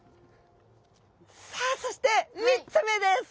さあそして３つ目です！